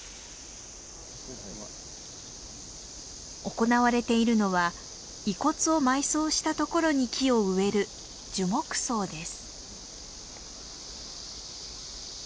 行われているのは遺骨を埋葬した所に木を植える樹木葬です。